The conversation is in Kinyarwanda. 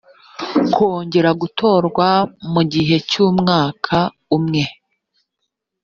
kongera gutorwa mu gihe cy umwaka umwe